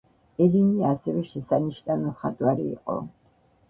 ელინი ასევე შესანიშნავი მხატვარი იყო.